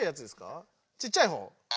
ちっちゃいほう。